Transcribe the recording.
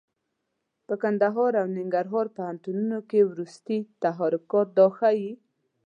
په کندهار او ننګرهار پوهنتونونو کې وروستي تحرکات دا ښيي.